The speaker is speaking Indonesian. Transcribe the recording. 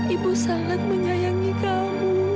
ibu sangat menyayangi kamu